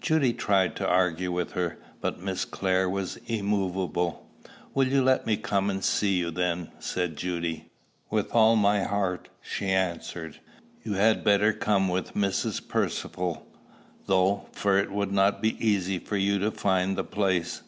Judy tried to argue with her, but Miss Clare was immovable. "Will you let me come and see you, then?" said Judy. "With all my heart," she answered. "You had better come with Mrs. Percivale, though, for it would not be easy for you to find the place."